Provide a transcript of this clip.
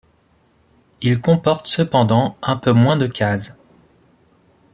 Il comporte cependant un peu moins de cases.